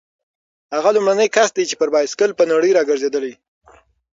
هغه لومړنی کس دی چې پر بایسکل په نړۍ راګرځېدلی.